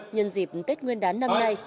nhân dịp tết nguyên đán năm nay